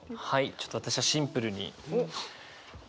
ちょっと私はシンプルに。